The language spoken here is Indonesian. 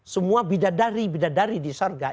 semua bidadari bidadari di surga